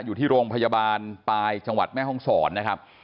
อยู่ที่โรงพยาบาลปลายจังหวัดแม่ห้องศรนะครับ